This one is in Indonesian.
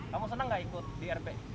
kamu senang gak ikut di rp